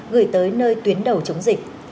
gửi tới nơi tuyến đầu chống dịch